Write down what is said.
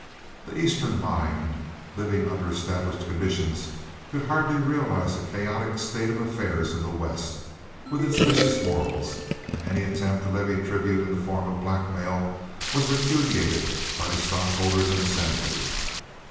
The Eastern mind, living under established conditions, could hardly realize the chaotic state of affairs in the West, with its vicious morals, and any attempt to levy tribute in the form of blackmail was repudiated by the stockholders in assembly.